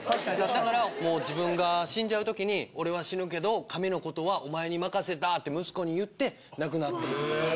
だからもう自分が死んじゃう時に俺は死ぬけど。って息子に言って亡くなっていくとか。